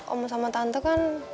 om sama tante kan